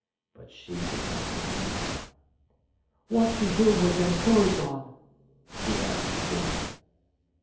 But she did not give him time. "What you doin' with them clo'se on?" she asked again.